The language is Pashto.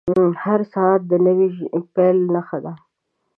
• هر ساعت د نوې پیل نښه ده.